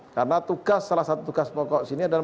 karena tugas salah satu tugas pokok sini adalah